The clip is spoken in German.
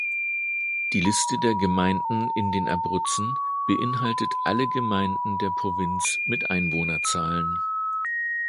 Die Liste der Gemeinden in den Abruzzen beinhaltet alle Gemeinden der Provinz mit Einwohnerzahlen.